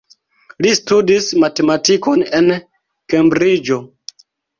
Li studis matematikon en Kembriĝo.